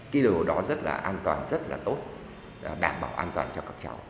cái điều đó rất là an toàn rất là tốt đảm bảo an toàn cho các cháu